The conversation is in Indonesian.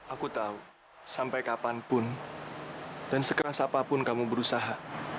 aku tahu sampai kapanpun dan sekeras apapun kamu berusaha